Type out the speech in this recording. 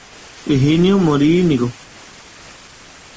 Higinio Morínigo.